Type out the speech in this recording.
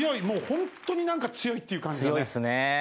もうホントに何か強いっていう感じだね。